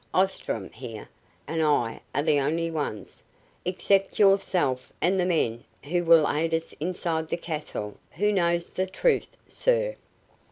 Ostrom, here, and I are the only ones, except yourself and the men who will aid us inside the castle, who know the truth, sir."